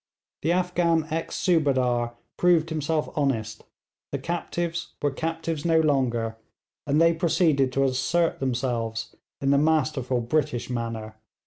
The Afghan ex Subadar proved himself honest; the captives were captives no longer, and they proceeded to assert themselves in the masterful British manner.